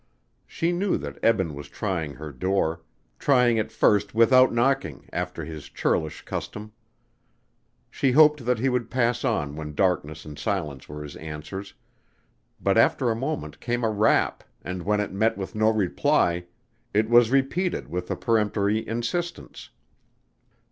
She knew that Eben was trying her door trying it first without knocking after his churlish custom. She hoped that he would pass on when darkness and silence were his answers, but after a moment came a rap and when it met with no reply it was repeated with a peremptory insistence.